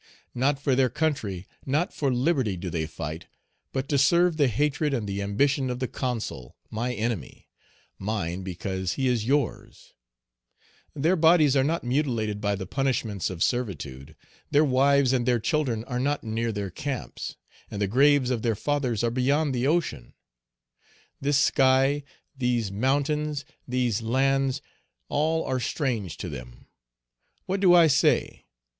Not for their country, not for liberty do they fight, but to serve the hatred and the ambition of the Consul, my enemy, mine because he is yours; their bodies are not mutilated by the punishments of servitude; their wives and their children are not near their camps, and the graves of their fathers are beyond the ocean. This sky, these mountains, these lands, all are strange to them? What do I say?